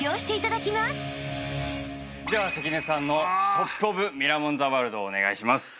では関根さんのトップオブミラモンＴＨＥワールドお願いします。